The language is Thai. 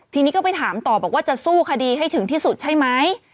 ทีนี้ก็ไปถามต่อบอกว่าจะสู้คดีให้ถึงที่สุดใช่ไหม